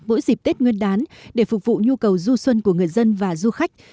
mỗi dịp tết nguyên đán để phục vụ nhu cầu du xuân của người dân và du khách